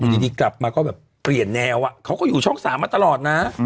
ดีกลับมาก็แบบเปลี่ยนแนวเขาก็อยู่ช่อง๓มาตลอดนะ